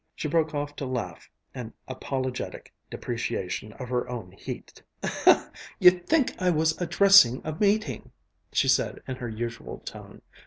She broke off to laugh an apologetic depreciation of her own heat. "You'd think I was addressing a meeting," she said in her usual tone.